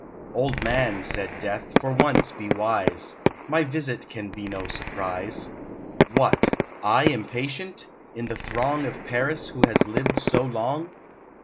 "Old man," said Death, "for once be wise; My visit can be no surprise. What! I impatient? In the throng Of Paris who has lived so long?